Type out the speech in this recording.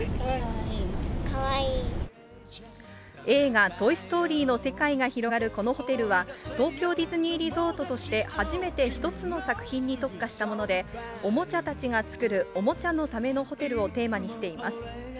映画、トイ・ストーリーの世界が広がる、このホテルは、東京ディズニーリゾートとして初めて１つの作品に特化したもので、おもちゃたちがつくるおもちゃのためのホテルをテーマにしています。